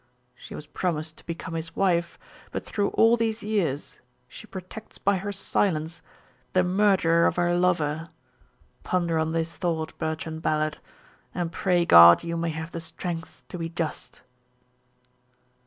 She was promised to become his wife, but through all these years she protects by her silence the murderer of her lover. Ponder on this thought, Bertrand Ballard, and pray God you may have the strength to be just."